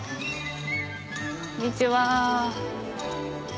こんにちは。